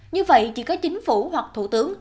như vậy chỉ có chính phủ hoặc thủ tướng